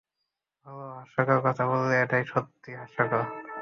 ভালো, হাস্যকর কথা বললে, এটা সত্যিই হাস্যকর।